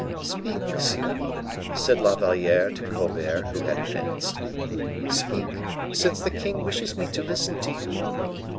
"Speak, monsieur," said La Valliere to Colbert, who had advanced; "speak, since the king wishes me to listen to you.